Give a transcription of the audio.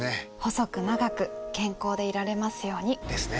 細く長く健康でいられますように。ですね。